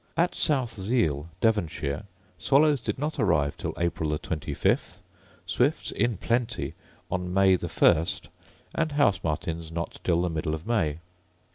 At South Zele, Devonshire, swallows did not arrive till April the 25th; swifts, in plenty, on May the 1st; and house martins not till the middle of May.